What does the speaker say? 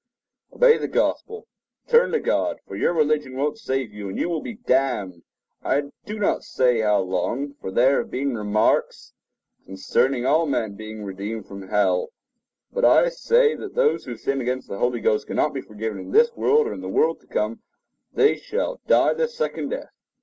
Obey the Gospel. Turn to God; for your religion won't save you, and you will be damned. I do not say how long. There have been remarks made concerning all men being redeemed from hell; but I say that those who sin against the Holy Ghost cannot be forgiven in this world or in the world to come; they shall die the second death.